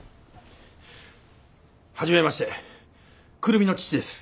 初めまして久留美の父です。